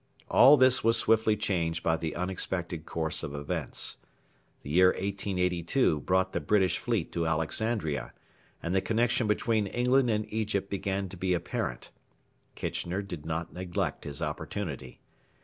All this was swiftly changed by the unexpected course of events. The year 1882 brought the British fleet to Alexandria, and the connection between England and Egypt began to be apparent. Kitchener did not neglect his opportunity.